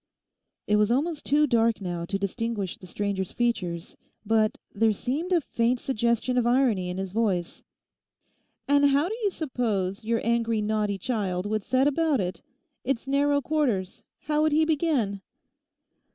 It was almost too dark now to distinguish the stranger's features but there seemed a faint suggestion of irony in his voice. 'And how do you suppose your angry naughty child would set about it? It's narrow quarters; how would he begin?